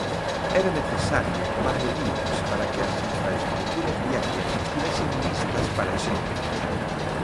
Era necesario tomar medidas para que as infraestruturas viarias estivesen listas para ese momento.